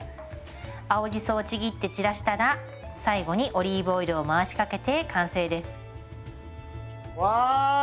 青じそをちぎって散らしたら最後にオリーブオイルを回しかけて完成です。わい！